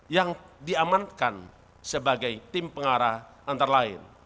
yang diamankan sebagai tim pengarah antara lain